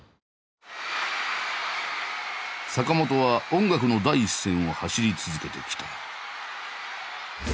坂本は音楽の第一線を走り続けてきた。